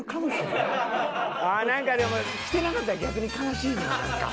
なんかでも着てなかったら逆に悲しいななんか。